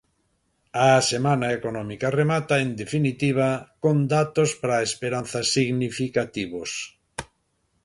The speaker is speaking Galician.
A semana económica remata, en definitiva, con datos para a esperanza significativos.